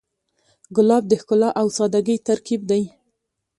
ګلاب د ښکلا او سادګۍ ترکیب دی.